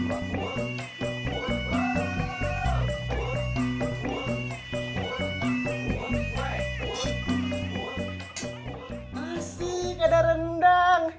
masih gak ada rendang